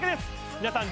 皆さん